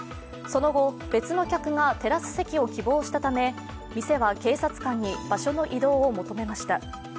その後、別の客がテラス席を希望したため店は警察官に場所の移動を求めました。